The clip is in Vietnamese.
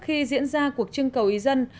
khi diễn ra cuộc trưng cầu ý dân